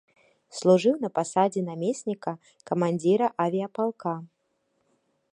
Служыў на пасадзе намесніка камандзіра авіяпалка.